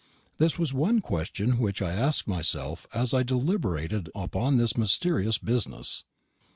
This was one question which I asked myself as I deliberated upon this mysterious business.